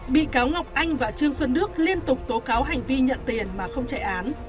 bị cáo ngọc anh và trương xuân đức liên tục tố cáo hành vi nhận tiền mà không chạy án